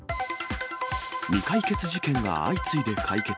未解決事件が相次いで解決。